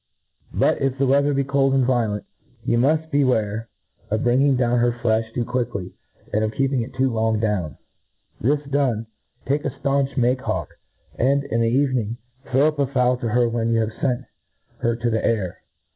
But, if the weather he cold and violent^ you mull beware of bringing down her fleih too quickly, and of keejping it too long down« • This done, take a (launch make^hawk, and, in the evening, throw up a fowl to her when yolx have fent her to the air.